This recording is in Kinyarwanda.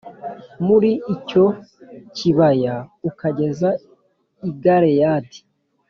Muri icyo kibaya ukageza i Gileyadi